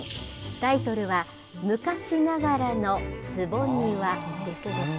タイトルは、昔ながらの坪庭です。